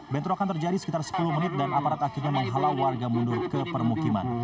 bentrokan terjadi sekitar sepuluh menit dan aparat akhirnya menghalau warga mundur ke permukiman